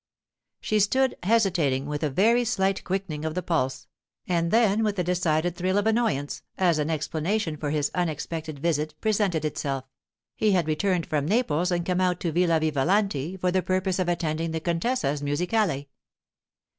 She stood hesitating with a very slight quickening of the pulse, and then with a decided thrill of annoyance as an explanation for his unexpected visit presented itself—he had returned from Naples and come out to Villa Vivalanti for the purpose of attending the contessa's musicale.